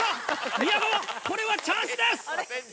宮川これはチャンスです！